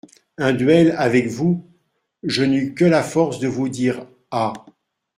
Un duel ! avec vous !… je n’eus que la force de vous dire : "Ah !